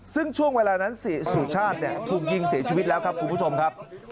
ซึ่งช่วงเวลานั้นเสียสุชาติถูกยิงเสียชีวิตแล้วครับคุณผู้ชมครับ